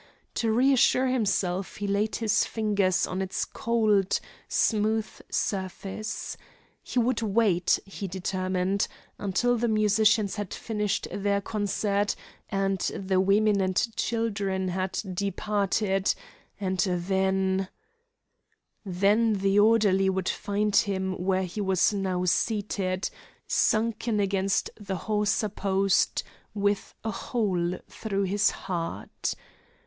To reassure himself he laid his fingers on its cold smooth surface. He would wait, he determined, until the musicians had finished their concert and the women and children had departed, and then Then the orderly would find him where he was now seated, sunken against the hawser post with a hole through his heart.